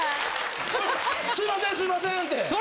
すいませんすいません！って。